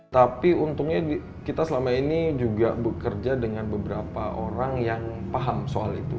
tapi untungnya kita selama ini juga bekerja dengan beberapa orang yang paham soal itu